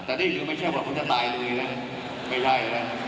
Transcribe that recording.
แต่นี่คือไม่ใช่ว่าผมจะตายเลยนะไม่ใช่แล้ว